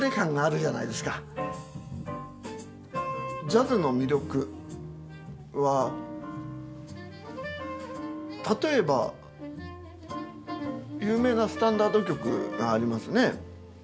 ジャズの魅力は例えば有名なスタンダード曲がありますね。